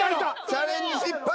チャレンジ失敗！